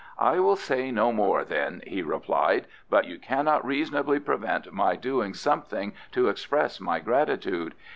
"I will say no more, then," he replied; "but you cannot reasonably prevent my doing something to express my gratitude.